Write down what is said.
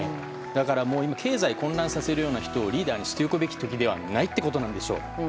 だから経済を混乱させるような人をリーダーにしておくべき時ではないということなんでしょう。